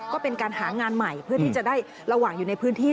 ก็เป็นการหางานใหม่เพื่อที่จะได้ระหว่างอยู่ในพื้นที่